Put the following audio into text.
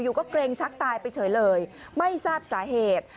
อยู่ก็เกรงชักตายไปเฉยเลยไม่ทราบสาเหตุ